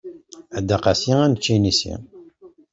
A Dda Qasi ad nečč inisi.